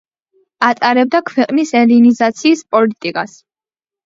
ატარებდა ქვეყნის ელინიზაციის პოლიტიკას.